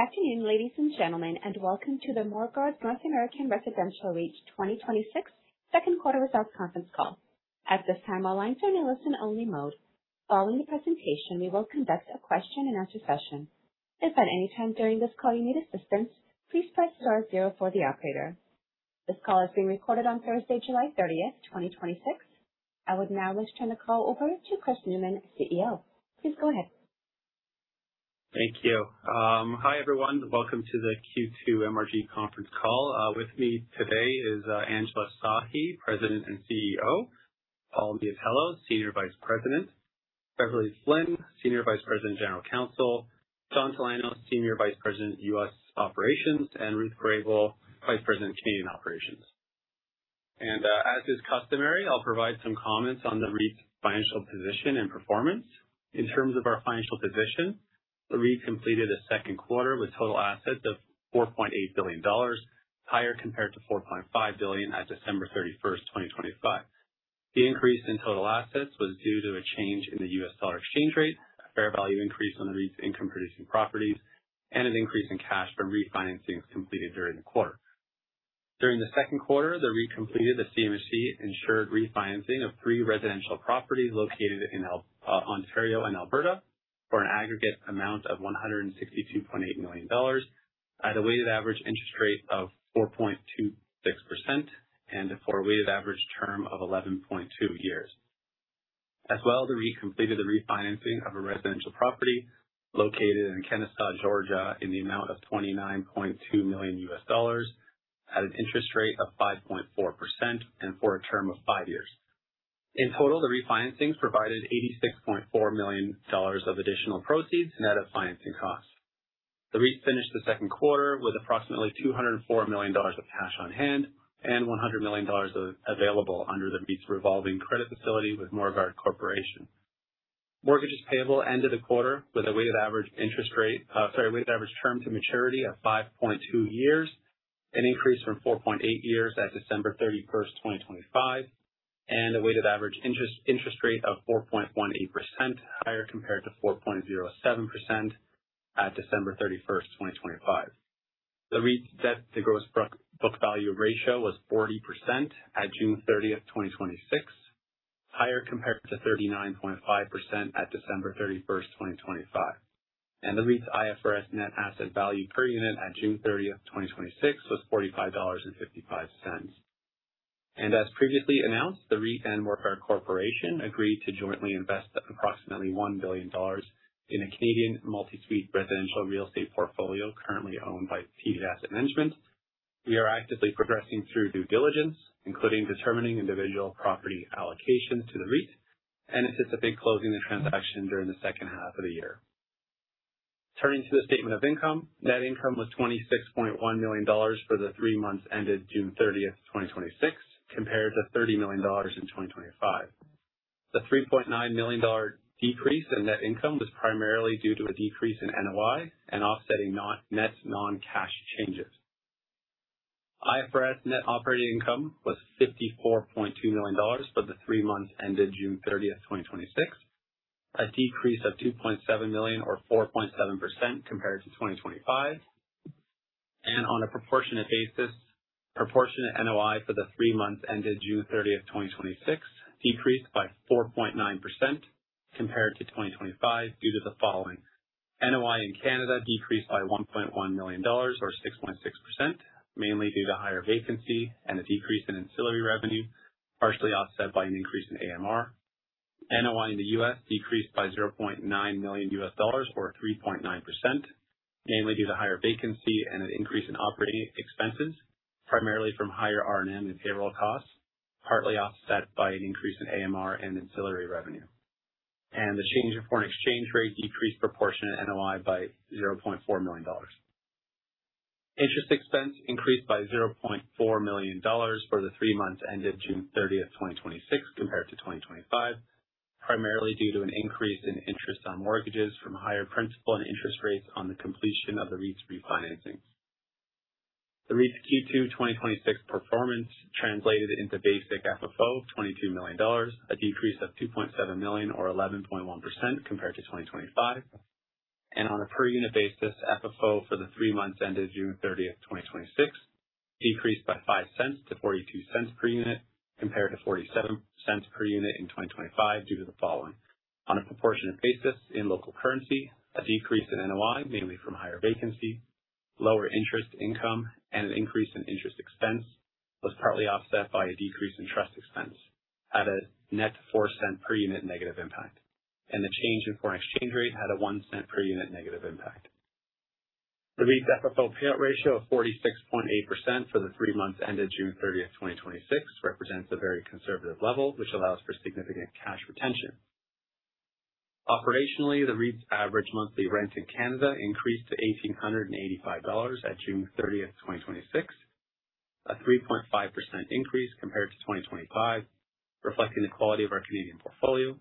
Good afternoon, ladies and gentlemen, welcome to the Morguard North American Residential REIT 2026 second quarter results conference call. At this time, all lines are in a listen only mode. Following the presentation, we will conduct a question and answer session. If at any time during this call you need assistance, please press star zero for the operator. This call is being recorded on Thursday, July 30th, 2026. I would now like to turn the call over to Chris Newman, CEO. Please go ahead. Thank you. Hi, everyone. Welcome to the Q2 MRG conference call. With me today is Angela Sahi, President and CEO. Paul Miatello, Senior Vice President. Beverley Flynn, Senior Vice President, General Counsel. John Talano, Senior Vice President, U.S. Operations. Ruth Grabel, Vice President, Canadian Operations. As is customary, I'll provide some comments on the REIT's financial position and performance. In terms of our financial position, the REIT completed a second quarter with total assets of 4.8 billion dollars, higher compared to 4.5 billion at December 31st, 2025. The increase in total assets was due to a change in the U.S. dollar exchange rate, a fair value increase on the REIT's income-producing properties, and an increase in cash from REIT financings completed during the quarter. During the second quarter, the REIT completed the CMHC insured refinancing of three residential properties located in Ontario and Alberta for an aggregate amount of 162.8 million dollars at a weighted average interest rate of 4.26% and a forward weighted average term of 11.2 years. The REIT completed the refinancing of a residential property located in Kennesaw, Georgia, in the amount of $29.2 million at an interest rate of 5.4%, and for a term of five years. In total, the refinancing provided 86.4 million dollars of additional proceeds net of financing costs. The REIT finished the second quarter with approximately 204 million dollars of cash on hand and 100 million dollars available under the REIT's revolving credit facility with Morguard Corporation. Mortgages payable end of the quarter with a weighted average term to maturity of 5.2 years, an increase from 4.8 years at December 31st, 2025, and a weighted average interest rate of 4.18%, higher compared to 4.07% at December 31st, 2025. The REIT's debt to gross book value ratio was 40% at June 30th, 2026, higher compared to 39.5% at December 31st, 2025. The REIT's IFRS net asset value per unit at June 30th, 2026, was 45.55 dollars. As previously announced, the REIT and Morguard Corporation agreed to jointly invest approximately 1 billion dollars in a Canadian multi-suite residential real estate portfolio currently owned by TD Asset Management. We are actively progressing through due diligence, including determining individual property allocations to the REIT and anticipate closing the transaction during the second half of the year. Turning to the statement of income. Net income was 26.1 million dollars for the three months ended June 30th, 2026, compared to 30 million dollars in 2025. The 3.9 million dollar decrease in net income was primarily due to a decrease in NOI and offsetting net non-cash changes. IFRS net operating income was 54.2 million dollars for the three months ended June 30th, 2026, a decrease of 2.7 million or 4.7% compared to 2025. On a proportionate basis, proportionate NOI for the three months ended June 30th, 2026, decreased by 4.9% compared to 2025 due to the following. NOI in Canada decreased by 1.1 million dollars or 6.6%, mainly due to higher vacancy and a decrease in ancillary revenue, partially offset by an increase in AMR. NOI in the U.S. decreased by $0.9 million, or 3.9%, mainly due to higher vacancy and an increase in operating expenses, primarily from higher R&M and payroll costs, partly offset by an increase in AMR and ancillary revenue. The change in foreign exchange rate decreased proportionate NOI by 0.4 million dollars. Interest expense increased by 0.4 million dollars for the three months ended June 30th, 2026, compared to 2025, primarily due to an increase in interest on mortgages from higher principal and interest rates on the completion of the REIT's refinancing. The REIT's Q2 2026 performance translated into basic FFO of 22 million dollars, a decrease of 2.7 million or 11.1% compared to 2025. On a per unit basis, FFO for the three months ended June 30th, 2026, decreased by 0.05 to 0.42 per unit, compared to 0.47 per unit in 2025 due to the following. On a proportionate basis in local currency, a decrease in NOI, mainly from higher vacancy, lower interest income, and an increase in interest expense was partly offset by a decrease in trust expense at a net 0.04 per unit negative impact. The change in foreign exchange rate had a 0.01 per unit negative impact. The REIT's FFO payout ratio of 46.8% for the three months ended June 30th, 2026, represents a very conservative level, which allows for significant cash retention. Operationally, the REIT's average monthly rent in Canada increased to 1,885 dollars at June 30th, 2026, a 3.5% increase compared to 2025, reflecting the quality of our Canadian portfolio.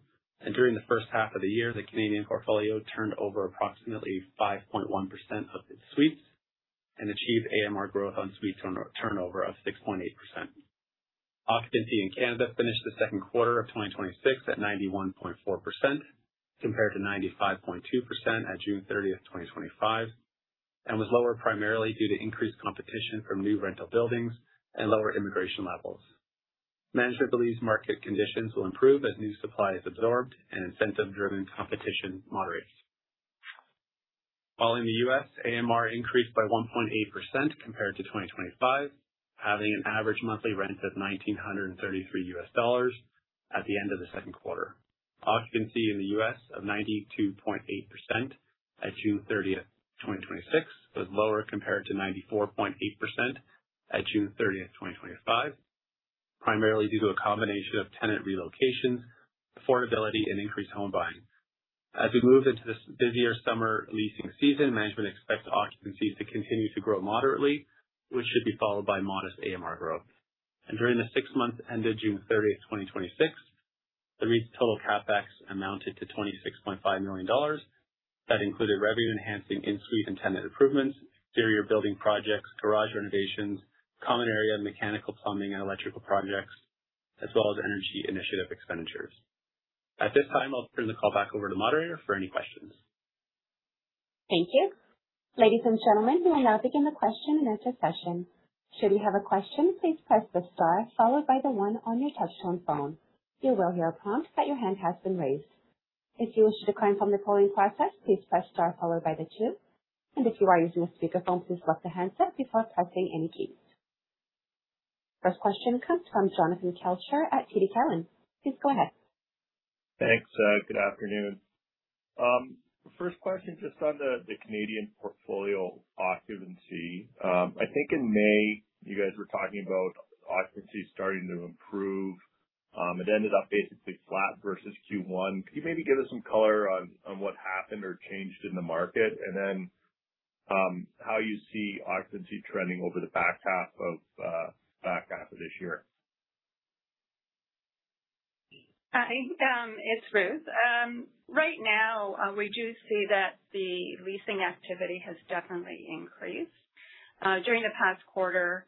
During the first half of the year, the Canadian portfolio turned over approximately 5.1% of its suites and achieved AMR growth on suites turnover of 6.8%. Occupancy in Canada finished the second quarter of 2026 at 91.4% compared to 95.2% at June 30th, 2025, and was lower primarily due to increased competition from new rental buildings and lower immigration levels. Management believes market conditions will improve as new supply is absorbed and incentive-driven competition moderates. While in the U.S., AMR increased by 1.8% compared to 2025, having an average monthly rent of $1,933 U.S. dollars at the end of the second quarter. Occupancy in the U.S. of 92.8% at June 30th, 2026, was lower compared to 94.8% at June 30th, 2025, primarily due to a combination of tenant relocations, affordability, and increased home buying. As we move into this busier summer leasing season, management expects occupancies to continue to grow moderately, which should be followed by modest AMR growth. During the six months ended June 30, 2026, the REIT's total CapEx amounted to 26.5 million dollars. That included revenue-enhancing ensuite and tenant improvements, exterior building projects, garage renovations, common area mechanical plumbing, and electrical projects, as well as energy initiative expenditures. At this time, I'll turn the call back over to the moderator for any questions. Thank you. Ladies and gentlemen, we will now begin the question-and-answer session. Should you have a question, please press star followed by one on your touchtone phone. You will hear a prompt that your hand has been raised. If you wish to decline from the polling process, please press star followed by two. If you are using a speakerphone, please block the handset before pressing any keys. First question comes from Jonathan Kelcher at TD Cowen. Please go ahead. Thanks. Good afternoon. First question, just on the Canadian portfolio occupancy. I think in May, you guys were talking about occupancy starting to improve. It ended up basically flat versus Q1. Could you maybe give us some color on what happened or changed in the market? How you see occupancy trending over the back half of this year. Hi, it's Ruth. Right now, we do see that the leasing activity has definitely increased. During the past quarter,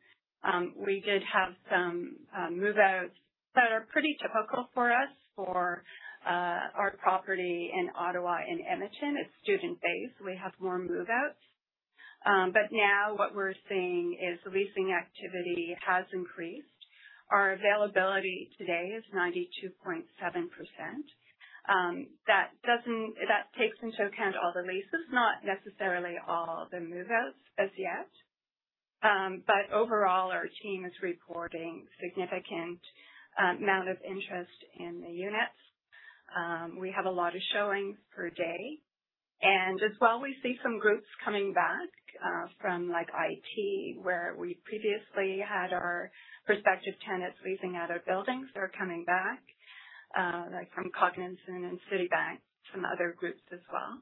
we did have some move-outs that are pretty typical for us for our property in Ottawa and Edmonton. It's student-based. We have more move-outs. But now what we're seeing is leasing activity has increased. Our availability today is 92.7%. That takes into account all the leases, not necessarily all the move-outs as yet. But overall, our team is reporting significant amount of interest in the units. We have a lot of showings per day. As well, we see some groups coming back from IT, where we previously had our prospective tenants leasing out our buildings. They're coming back, like from Cognizant and Citibank, some other groups as well.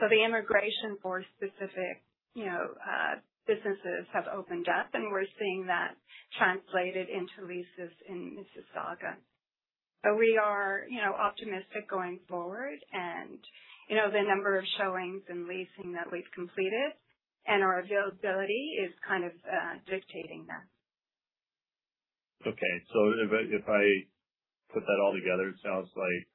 The immigration for specific businesses have opened up, and we're seeing that translated into leases in Mississauga. We are optimistic going forward and the number of showings and leasing that we've completed and our availability is kind of dictating that. If I put that all together, it sounds like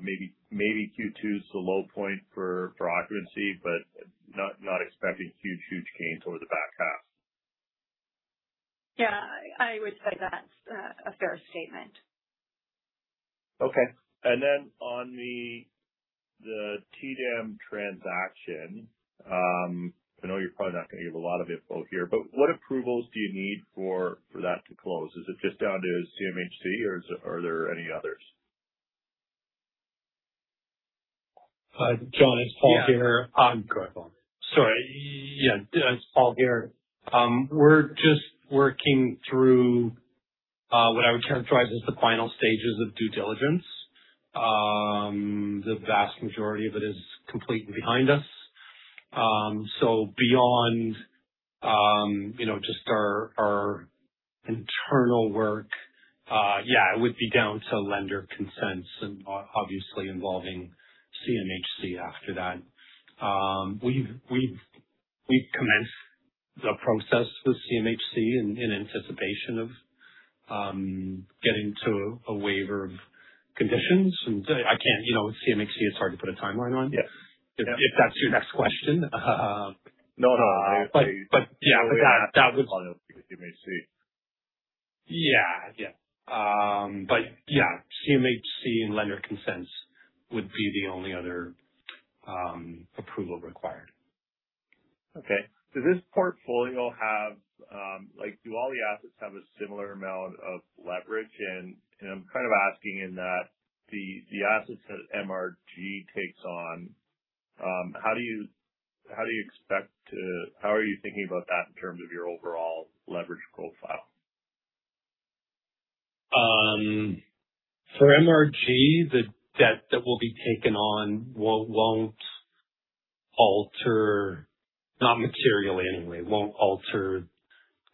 maybe Q2 is the low point for occupancy, but not expecting huge change over the back half? I would say that's a fair statement. On the TDAM transaction, I know you're probably not going to give a lot of info here, but what approvals do you need for that to close? Is it just down to CMHC or are there any others? Hi, Jon, it's Paul here. Yeah. Go ahead, Paul. Sorry. Yeah, it's Paul here. We're just working through what I would characterize as the final stages of due diligence. The vast majority of it is complete and behind us. Beyond just our internal work, yeah, it would be down to lender consents and obviously involving CMHC after that. We've commenced the process with CMHC in anticipation of getting to a waiver of conditions. With CMHC, it's hard to put a timeline on. Yes. If that's your next question. No, no. Yeah. CMHC. Yeah. Yeah, CMHC and lender consents would be the only other approval required. Okay. Does this portfolio Do all the assets have a similar amount of leverage? I'm kind of asking in that the assets that MRG.UN takes on, how are you thinking about that in terms of your overall leverage profile? For MRG.UN, the debt that will be taken on won't alter, not materially anyway, won't alter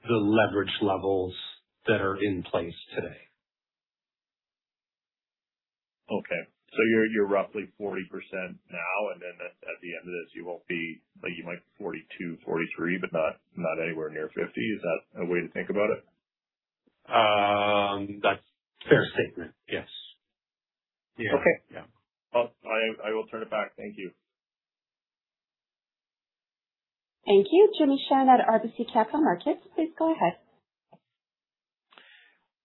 the leverage levels that are in place today. Okay. You're roughly 40% now, and then at the end of this, you might be 42%, 43%, but not anywhere near 50%. Is that a way to think about it? That's a fair statement. Yes. Okay. Yeah. I will turn it back. Thank you. Thank you. Jimmy Shan at RBC Capital Markets, please go ahead.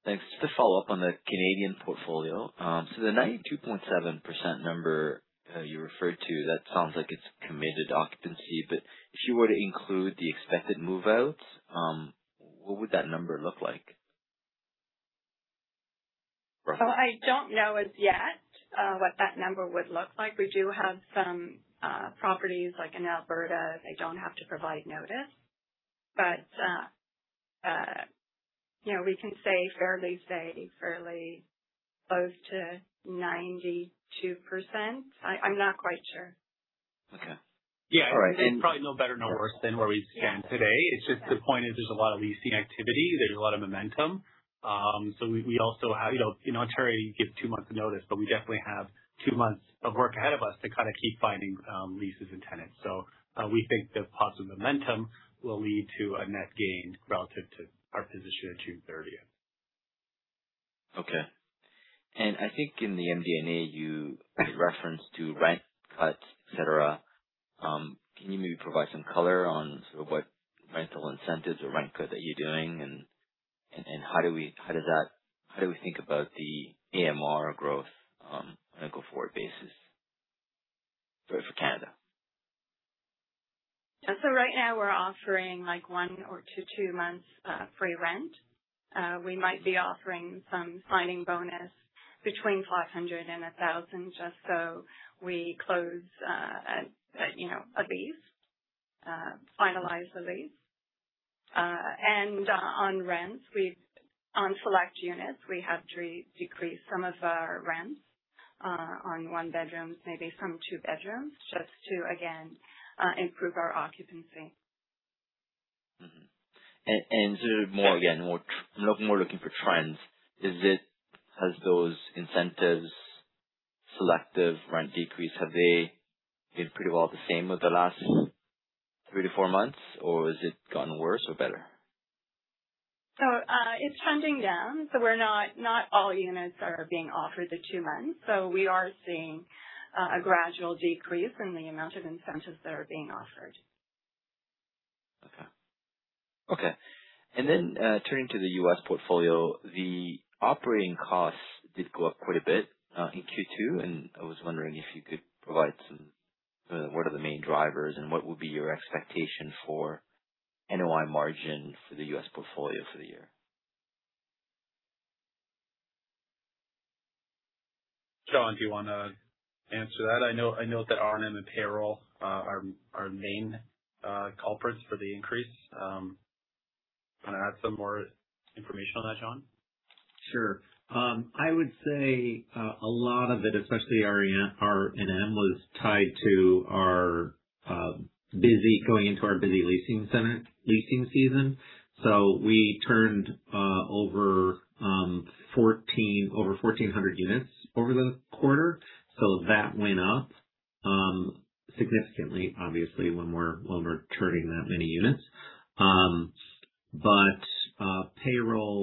Thanks. Just a follow-up on the Canadian portfolio. The 92.7% number you referred to, that sounds like it's committed occupancy, if you were to include the expected move-outs, what would that number look like? I don't know as yet what that number would look like. We do have some properties, like in Alberta, they don't have to provide notice. We can fairly say fairly close to 92%. I'm not quite sure. Okay. All right. Yeah. It's probably no better, no worse than where we stand today. It's just the point is there's a lot of leasing activity. There's a lot of momentum. We also have in Ontario, you give two months notice, we definitely have two months of work ahead of us to keep finding leases and tenants. We think the positive momentum will lead to a net gain relative to our position at June 30th. I think in the MD&A, you made reference to rent cuts, et cetera. Can you maybe provide some color on sort of what rental incentives or rent cuts that you're doing and how do we think about the AMR growth on a go-forward basis for Canada? Right now we're offering one or two months free rent. We might be offering some signing bonus between 500 and 1,000, just so we close a lease, finalize the lease. On rents, on select units, we have decreased some of our rents on one-bedrooms, maybe some two-bedrooms, just to, again, improve our occupancy. Mm-hmm. Sort of more, again, more looking for trends. Has those incentives, selective rent decrease, have they been pretty well the same over the last 3-4 months, or has it gotten worse or better? It's trending down, so not all units are being offered the two months. We are seeing a gradual decrease in the amount of incentives that are being offered. Okay. Turning to the U.S. portfolio, the operating costs did go up quite a bit in Q2. I was wondering if you could provide what are the main drivers and what would be your expectation for NOI margin for the U.S. portfolio for the year? John, do you want to answer that? I know that R&M and payroll are main culprits for the increase. Want to add some more information on that, John? Sure. I would say a lot of it, especially our R&M, was tied to going into our busy leasing season. We turned over 1,400 units over the quarter. That went up significantly, obviously, when we're turning that many units. Payroll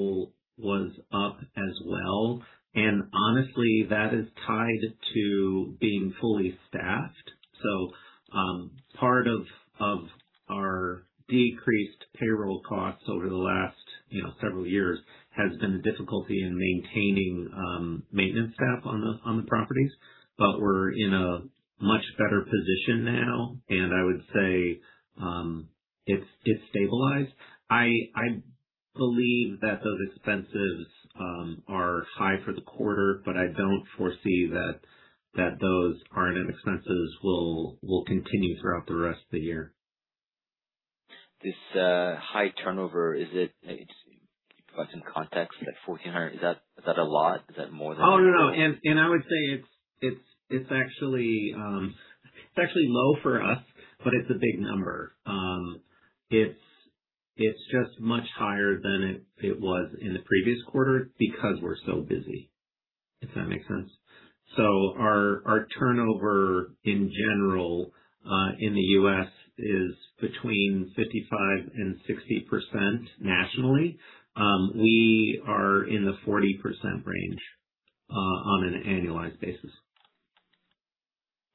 was up as well, and honestly, that is tied to being fully staffed. Part of our decreased payroll costs over the last several years has been the difficulty in maintaining maintenance staff on the properties. We're in a much better position now, and I would say it's stabilized. I believe that those expenses are high for the quarter, but I don't foresee that those R&M expenses will continue throughout the rest of the year. This high turnover, can you put us in context, that 1,400, is that a lot? Is that more than? Oh, no. I would say it's actually low for us, but it's a big number. It's just much higher than it was in the previous quarter because we're so busy, if that makes sense. Our turnover in general, in the U.S., is between 55% and 60% nationally. We are in the 40% range on an annualized basis.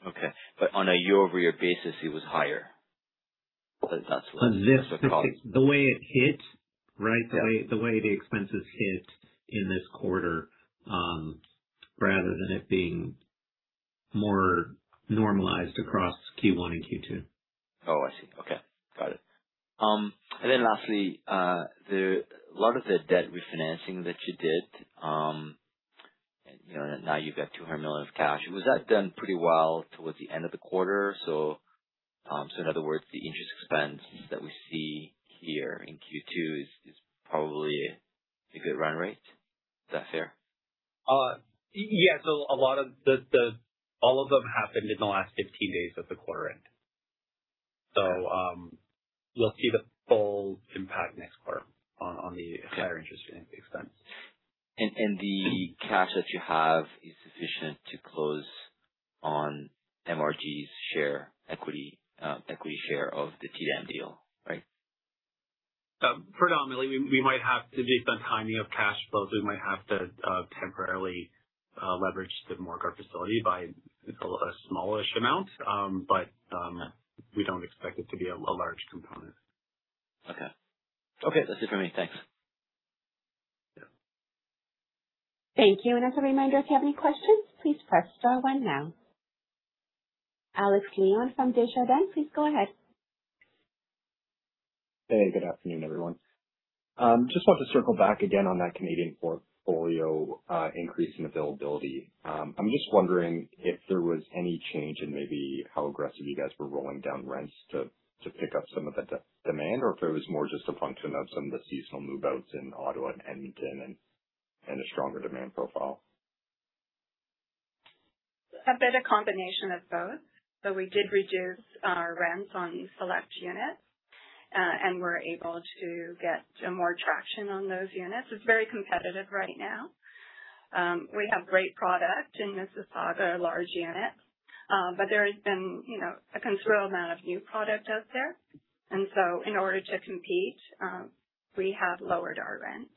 Okay. On a year-over-year basis, it was higher. That's what- The way it hit, right? Yeah. The way the expenses hit in this quarter, rather than it being more normalized across Q1 and Q2. Oh, I see. Okay. Got it. Lastly, a lot of the debt refinancing that you did, and now you've got 200 million of cash. Was that done pretty well towards the end of the quarter? In other words, the interest expense that we see here in Q2 is probably a good run rate. Is that fair? Yeah. All of them happened in the last 15 days of the quarter end. We'll see the full impact next quarter on the higher interest expense. The cash that you have is sufficient to close on MRG.UN's equity share of the TDAM deal, right? Predominantly. Based on timing of cash flows, we might have to temporarily leverage the Morguard facility by a smallish amount. We don't expect it to be a large component. Okay. That's it for me. Thanks. Yeah. Thank you. As a reminder, if you have any questions, please press star one now. Alex Leon from Desjardins, please go ahead. Hey, good afternoon, everyone. Just want to circle back again on that Canadian portfolio increase in availability. I'm just wondering if there was any change in maybe how aggressive you guys were rolling down rents to pick up some of the demand or if it was more just a function of some of the seasonal move-outs in Ottawa and Edmonton and a stronger demand profile. A bit of combination of both. We did reduce our rents on select units. We're able to get more traction on those units. It's very competitive right now. We have great product in Mississauga, large units. There has been a considerable amount of new product out there. In order to compete, we have lowered our rent.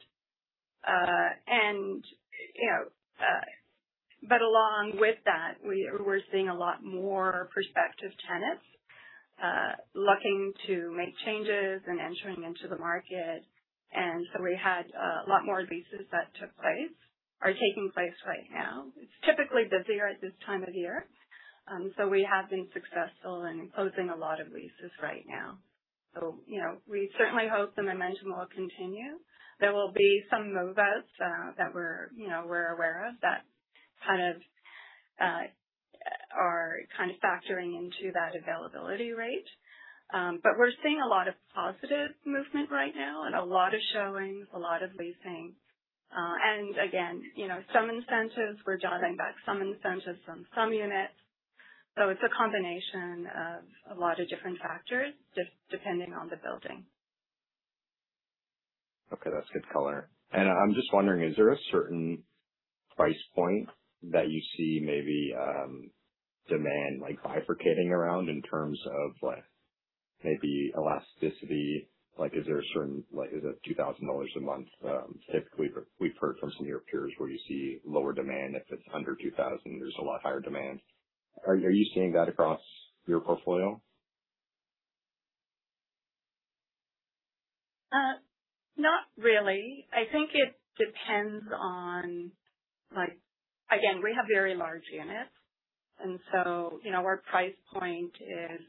Along with that, we're seeing a lot more prospective tenants looking to make changes and entering into the market. We had a lot more leases that took place, are taking place right now. It's typically busier at this time of year. We have been successful in closing a lot of leases right now. We certainly hope the momentum will continue. There will be some move-outs that we're aware of that are factoring into that availability rate. We're seeing a lot of positive movement right now and a lot of showings, a lot of leasing. Again, some incentives. We're dialing back some incentives on some units. It's a combination of a lot of different factors just depending on the building. Okay, that's good color. I'm just wondering, is there a certain price point that you see maybe demand bifurcating around in terms of maybe elasticity? Is it 2,000 dollars a month? Typically, we've heard from some of your peers where you see lower demand if it's under 2,000, there's a lot higher demand. Are you seeing that across your portfolio? Not really. Again, we have very large units. Our price point is,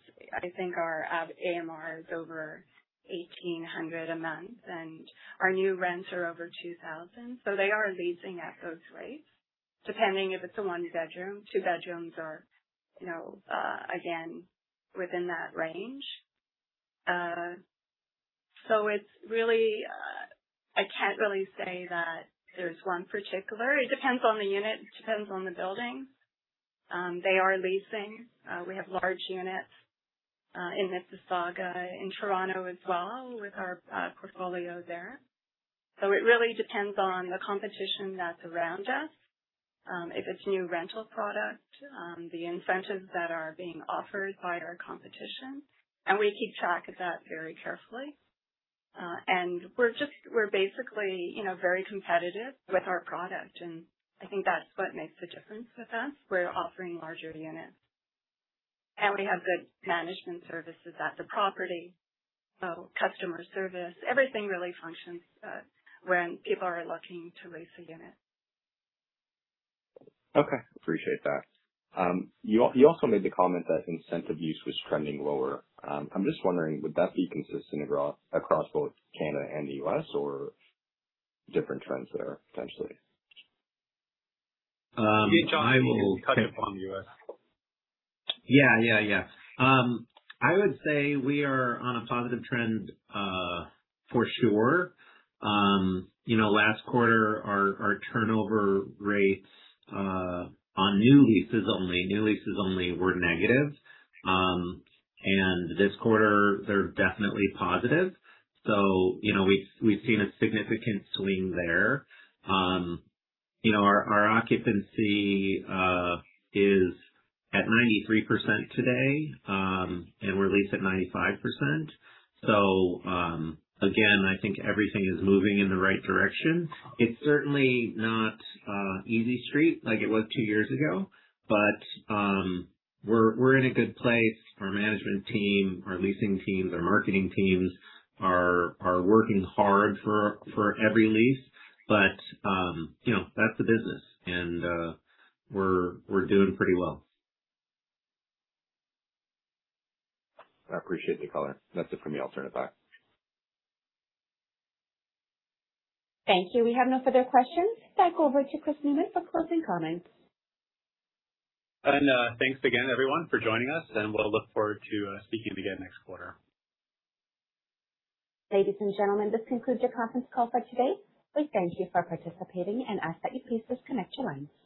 I think our AMR is over 1,800 a month, and our new rents are over 2,000. They are leasing at those rates, depending if it's a one-bedroom. Two bedrooms are again, within that range. I can't really say that there's one particular. It depends on the unit, it depends on the building. They are leasing. We have large units, in Mississauga, in Toronto as well with our portfolio there. It really depends on the competition that's around us. If it's new rental product, the incentives that are being offered by our competition, we keep track of that very carefully. We're basically very competitive with our product, and I think that's what makes the difference with us. We're offering larger units. We have good management services at the property. Customer service, everything really functions when people are looking to lease a unit. Okay. Appreciate that. You also made the comment that incentive use was trending lower. I'm just wondering, would that be consistent across both Canada and the U.S. or different trends there potentially? I will- [inaudible] is kind of on U.S. Yeah. I would say we are on a positive trend, for sure. Last quarter, our turnover rates on new leases only were negative. This quarter they're definitely positive. We've seen a significant swing there. Our occupancy is at 93% today, and we're leased at 95%. Again, I think everything is moving in the right direction. It's certainly not easy street like it was two years ago. We're in a good place. Our management team, our leasing teams, our marketing teams are working hard for every lease. That's the business, and we're doing pretty well. I appreciate the color. That's it for me. I'll turn it back. Thank you. We have no further questions. Back over to Chris Newman for closing comments. Thanks again everyone for joining us, and we'll look forward to speaking to you again next quarter. Ladies and gentlemen, this concludes your conference call for today. We thank you for participating and ask that you please disconnect your lines.